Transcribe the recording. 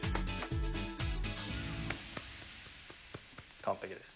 完璧です。